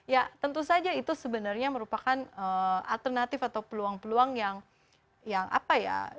ya tentu saja itu sebenarnya merupakan alternatif atau peluang peluang yang apa ya